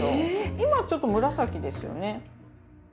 今ちょっと紫ですよね。